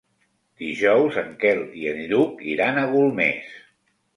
Dijous en Quel i en Lluc iran a Golmés.